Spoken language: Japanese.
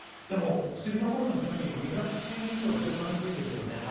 でも、薬のほうの準備も２月中にとかそういう感じですよね。